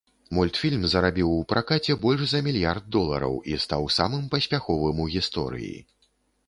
Мультфільм зарабіў у пракаце больш за мільярд долараў і стаў самым паспяховым у гісторыі.